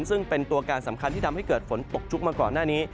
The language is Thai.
ซึ่งเป็นตัวการสำคัญที่ทำให้เกิดฝนตกชุกมาก่อนหน้านี้